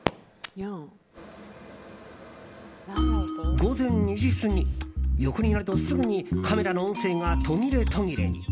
午前２時過ぎ、横になるとすぐにカメラの音声が途切れ途切れに。